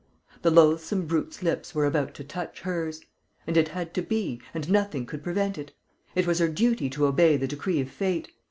The loathsome brute's lips were about to touch hers; and it had to be, and nothing could prevent it. It was her duty to obey the decree of fate.